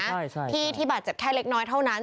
ที่ทุกคนปลอดภัยนะพี่ที่บาดเจ็บแค่เล็กน้อยเท่านั้น